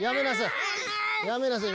やめなさい！